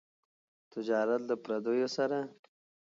تجارت له پرديو سره.